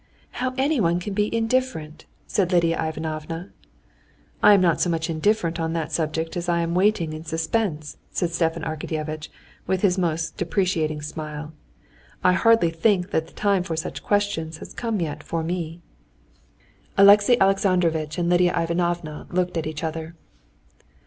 "How anyone can be indifferent!" said Lidia Ivanovna. "I am not so much indifferent on that subject as I am waiting in suspense," said Stepan Arkadyevitch, with his most deprecating smile. "I hardly think that the time for such questions has come yet for me." Alexey Alexandrovitch and Lidia Ivanovna looked at each other.